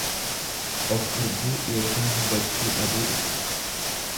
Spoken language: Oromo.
Of arguu ykn hubachuu dhabuu ibsa.